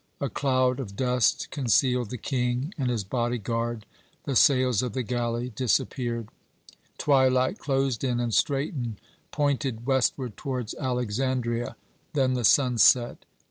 A cloud of dust concealed the King and his body guard, the sails of the galley disappeared. Twilight closed in, and Straton pointed westward towards Alexandria. Then the sun set.